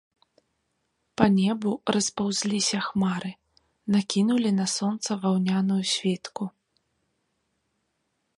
Па небу распаўзліся хмары, накінулі на сонца ваўняную світку.